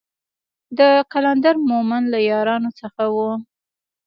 د قلندر مومند له يارانو څخه و.